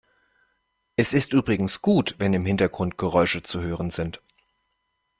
Es ist übrigens gut, wenn im Hintergrund Geräusche zu hören sind.